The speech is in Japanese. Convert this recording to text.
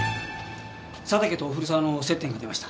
佐竹と古沢の接点が出ました。